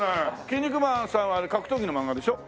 『キン肉マン』さんはあれ格闘技の漫画でしょ？